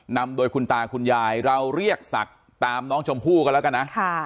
นำโดยคุณตาคุณยายเราเรียกศักดิ์ตามน้องชมพู่กันแล้วกันนะ